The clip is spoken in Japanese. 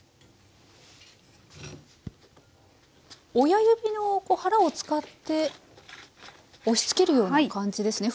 親指の腹を使って押しつけるような感じですね